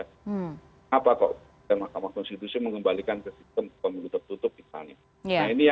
kenapa kok mahkamah konstitusi mengembalikan ke sistem pemilu tertutup misalnya